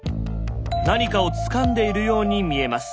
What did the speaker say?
何かをつかんでいるように見えます。